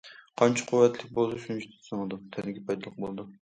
قانچە قۇۋۋەتلىك بولسا شۇنچە تېز سىڭىدۇ، تەنگە پايدىلىق بولىدۇ.